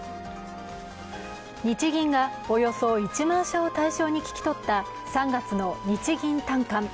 日銀がおよそ１万社を対象に聞き取った３月の日銀短観。